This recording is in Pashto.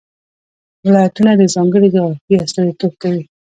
ولایتونه د ځانګړې جغرافیې استازیتوب کوي.